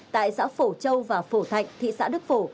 tại xã phổ châu và phổ thạnh thị xã đức phổ